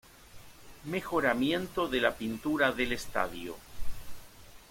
Mejoramiento de la pintura del estadio.